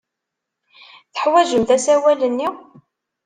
Teḥwajemt asawal-nni?